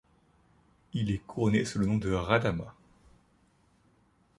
Il est couronné sous le nom de Radama.